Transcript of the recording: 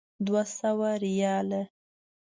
دوه سوه ریاله.